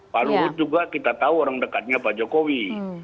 pak luhut juga kita tahu orang dekatnya pak jokowi